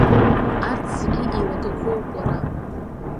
Арҭ зегьы еилагақәоуп уара!